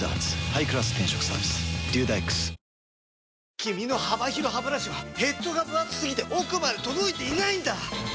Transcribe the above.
君の幅広ハブラシはヘッドがぶ厚すぎて奥まで届いていないんだ！